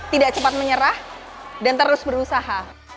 tidak cepat menyerah dan terus berusaha